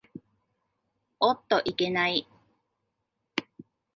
おっといけない。